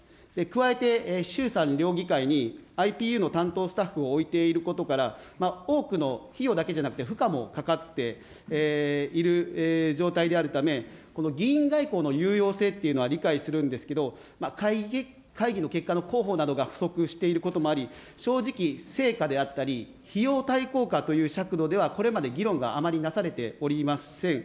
加えて衆参両議会にＩＰＵの担当スタッフを置いていることから、多くの費用だけじゃなくて負荷もかかっている状態であるため、この議員外交の有用性というのは理解するんですけど、会議の結果の広報などが不足していることもあり、正直、成果であったり、費用対効果という尺度ではこれまで議論があまりなされておりません。